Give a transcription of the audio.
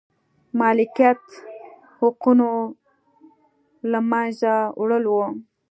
مالکیت حقونو له منځه وړل و.